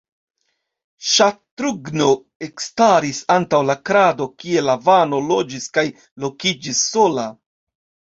Ŝatrughno ekstaris antaŭ la krado kie Lavano loĝis kaj lokiĝis sola.